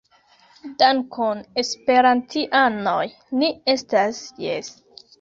Dankon, esperantianoj ni estas Jes